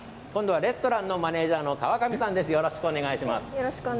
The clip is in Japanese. レストランのマネージャーの河上さんです。